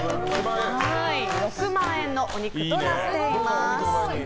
６万円のお肉となっています。